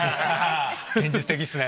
現実的っすね。